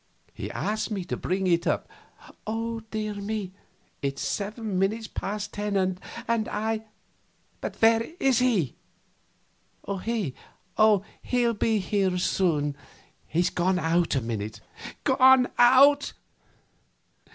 He asked me to bring it up.... Dear me! it's seven minutes past ten, and I " "But where is he?" "He? Oh, he'll be here soon; he's gone out a minute." "Gone out?"